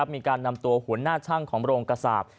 มีการนำตัวหัวหน้าช่างของโรงกระสาป